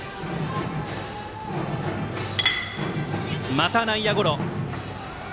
また内野ゴロ。